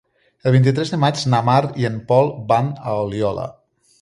El vint-i-tres de maig na Mar i en Pol van a Oliola.